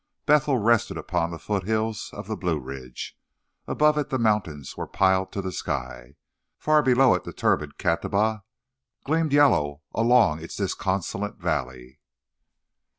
Bethel rested upon the foot hills of the Blue Ridge. Above it the mountains were piled to the sky. Far below it the turbid Catawba gleamed yellow along its disconsolate valley.